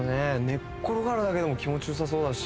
寝転がるだけでも気持ち良さそうだし。